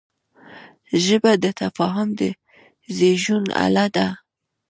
ژبه د تفاهم د زېږون اله ده